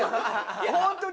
本当に！